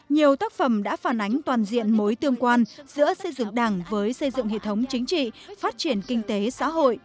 nhiều tác phẩm đã phản ánh toàn diện mối tương quan giữa xây dựng đảng với xây dựng hệ thống chính trị phát triển kinh tế xã hội